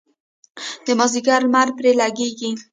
د مازدیګر لمر پرې لګیږي.